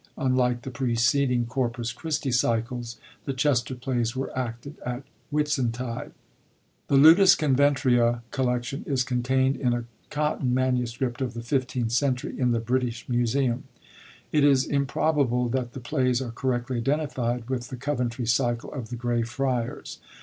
Unlike the preceding Corpus Christi cycles, the Chester plays were acted at Whit suntide. The Ludtts CoventruB^ collection is containd in a Cotton MS. of the 16th century in the British Museum. It is improbable that the plays are correctly identified witii the Coventry Cycle of the Grey Friars.